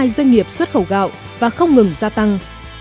một trăm bốn mươi hai doanh nghiệp xuất khẩu gạo và không ngừng gia tăng